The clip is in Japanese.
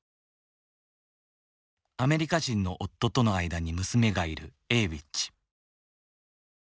アメリカ人の夫との間に娘がいるＡｗｉｃｈ。